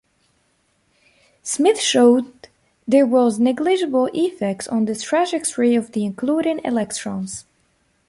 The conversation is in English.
Smith showed there was negligible effect on the trajectory of the inducing electrons.